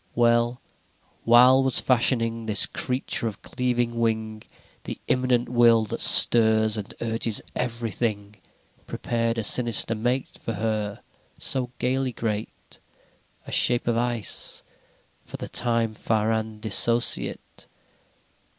VI Well: while was fashioning This creature of cleaving wing, The Immanent Will that stirrs and urges everything VII Prepared a sinister mate For her so gaily great A Shape of Ice, for the time far and dissociate.